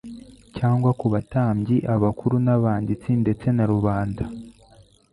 cyangwa ku batambyi abakuru n'abanditsi ndetse na rubanda.